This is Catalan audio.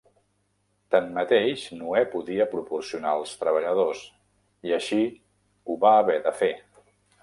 Tanmateix, Noè podia proporcionar els treballadors i així ho va haver de fer.